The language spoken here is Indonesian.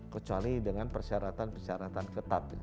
kecuali dengan persyaratan persyaratan ketat